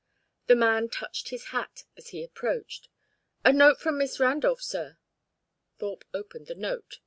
The man touched his hat as he approached. "A note from Miss Randolph, sir." Thorpe opened the note.